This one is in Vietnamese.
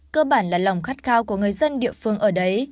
cơ bản là lòng khát khao của người dân địa phương ở đấy